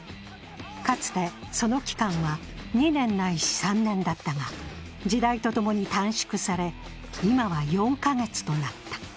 かつて、その期間は２年ないし３年だったが時代とともに短縮され、今は４か月となった。